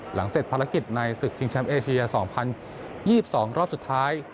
หลังเสร็จภารกิจในศึกชิงแชมป์เอเชีย๒๐๒๒รอบสุดท้าย